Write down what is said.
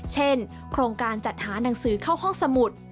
เช่นโครงการจัดหานังสือเข้าห้องสมุด